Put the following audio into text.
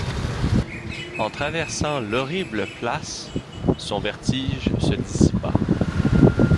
En traversant l’horrible place, son vertige se dissipa.